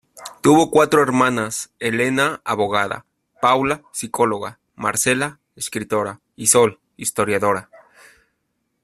Tuvo cuatro hermanas: Elena, abogada; Paula, psicóloga; Marcela, escritora; y Sol, historiadora.